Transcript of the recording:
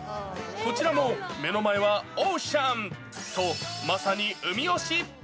こちらも目の前はオーシャンと、まさに海推し。